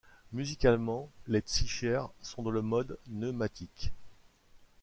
Musicalemement, les stichères sont dans le mode neumatique.